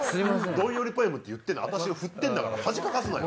どんよりポエムって言って私が振ってんだから恥かかすなよ。